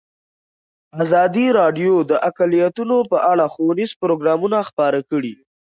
ازادي راډیو د اقلیتونه په اړه ښوونیز پروګرامونه خپاره کړي.